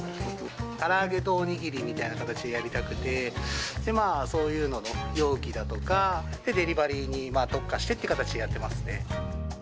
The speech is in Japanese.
から揚げとおにぎりみたいな形でやりたくて、そういうのの容器だとか、デリバリーに特化してっていう形でやってますね。